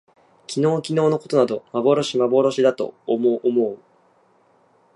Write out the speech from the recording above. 昨日きのうのことなど幻まぼろしだと思おもおう